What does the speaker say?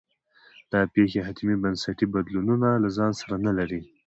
دا پېښې حتمي بنسټي بدلونونه له ځان سره نه لري.